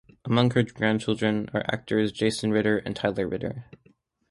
Among her grandchildren are actors Jason Ritter and Tyler Ritter.